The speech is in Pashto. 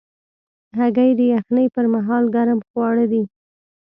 هګۍ د یخنۍ پر مهال ګرم خواړه دي.